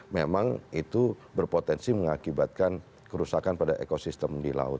memang itu berpotensi mengakibatkan kerusakan pada ekosistem di laut